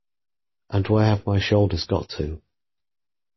And where have my shoulders got to?